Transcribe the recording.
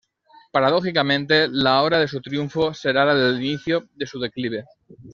Paradójicamente, la hora de su triunfo será la del inicio de su declive.